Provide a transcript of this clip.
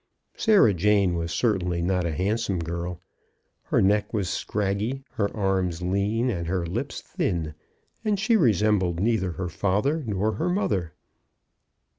Sarah Jane was certainly not a handsome girl. Her neck was scraggy, her arms lean, and her lips thin; and she resembled neither her father nor her mother.